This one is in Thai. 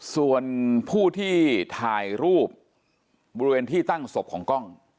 ส่วนผู้ที่ถ่ายรูปบริเวณที่ตั้งศพของกล้อง